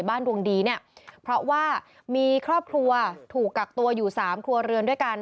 ดวงดีเนี่ยเพราะว่ามีครอบครัวถูกกักตัวอยู่สามครัวเรือนด้วยกัน